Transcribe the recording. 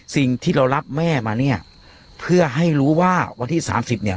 สิ่งที่เรารับแม่มาเนี่ยเพื่อให้รู้ว่าวันที่สามสิบเนี่ย